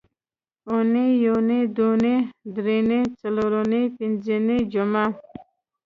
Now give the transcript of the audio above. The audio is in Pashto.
اونۍ یونۍ دونۍ درېنۍ څلورنۍ پینځنۍ جمعه